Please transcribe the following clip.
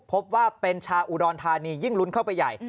พบว่าเป็นชาวอุดรธานียิ่งลุ้นเข้าไปใหญ่